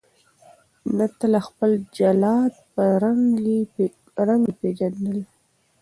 نه تا خپل جلاد په رنګ دی پیژندلی